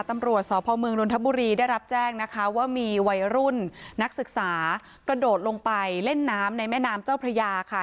ตำรวจสพเมืองนทบุรีได้รับแจ้งนะคะว่ามีวัยรุ่นนักศึกษากระโดดลงไปเล่นน้ำในแม่น้ำเจ้าพระยาค่ะ